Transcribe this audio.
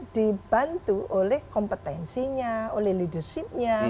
dibantu oleh kompetensinya oleh leadershipnya